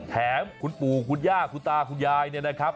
แถมคุณปู่คุณย่าคุณตาคุณยายเนี่ยนะครับ